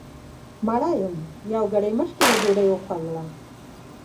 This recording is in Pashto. مړه یم یو ګړی مخکې مې ډوډۍ وخوړله